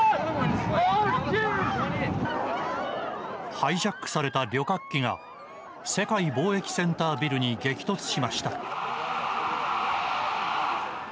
ハイジャックされた旅客機が世界貿易センタービルに激突しました。